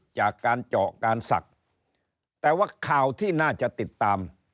จากการเจาะการศักดิ์แต่ว่าข่าวที่น่าจะติดตาม